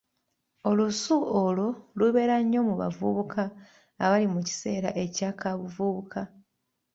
Olusu olwo lubeera nnyo mu bavubuka abali mu kiseera ekya kaabuvubuka.